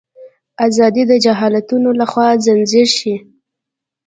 ازادي د جهالتونو لخوا ځنځیر شي.